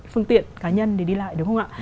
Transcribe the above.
phương tiện cá nhân để đi lại đúng không ạ